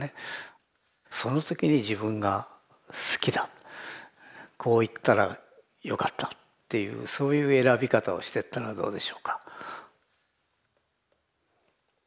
その時に自分が好きだこういったらよかったっていうそういう選び方をしてったらどうでしょうか？